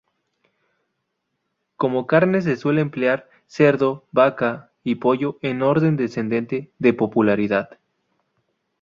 Como carne se suele emplear, cerdo, vaca y pollo en orden descendente de popularidad.